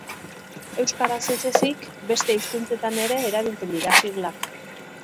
Euskaraz ez ezik, beste hizkuntzetan ere erabiltzen dira siglak.